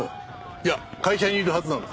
いや会社にいるはずなんだ。